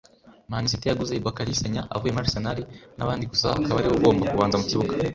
Man City yaguze Bacary Sagna avuye muri Arsenal n’ abandi gusa akaba ari we ugomba kubanza mu kibuga